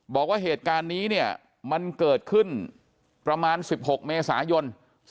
บอกว่าเหตุการณ์นี้เนี่ยมันเกิดขึ้นประมาณ๑๖เมษายน